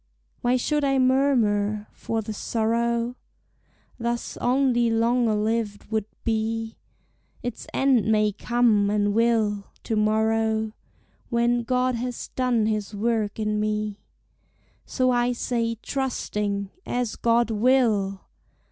Why should I murmur? for the sorrow Thus only longer lived would be; Its end may come, and will, to morrow, When God has done his work in me; So I say, trusting, As God will!